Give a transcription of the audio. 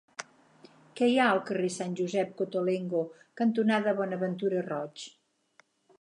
Què hi ha al carrer Sant Josep Cottolengo cantonada Bonaventura Roig?